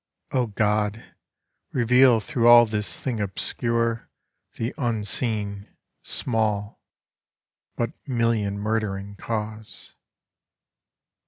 O God, reveal thro' all this thing obscure The unseen, small, but million murdering cause.